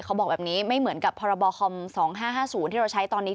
เขาบอกแบบนี้ไม่เหมือนกับพรบค๒๕๕๐ที่เราใช้ตอนนี้